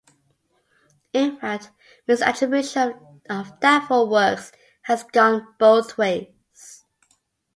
In fact, misattribution of doubtful works has gone both ways.